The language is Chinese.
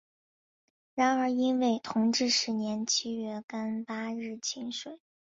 然而因为同治十年七月廿八日请水。